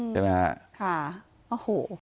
ใช่ไหมครับค่ะโอ้โห